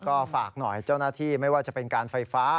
ก็ฝากหน่อยเจ้าหน้าที่ไม่ว่าจะเป็นการไฟฟ้า